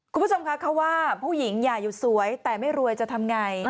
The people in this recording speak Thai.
คุณผู้ชมคะเขาว่าผู้หญิงอย่าอยู่สวยแต่ไม่รวยจะทำไง